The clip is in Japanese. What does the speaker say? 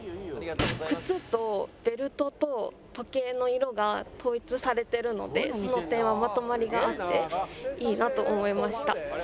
靴とベルトと時計の色が統一されてるのでその点はまとまりがあっていいなと思いました。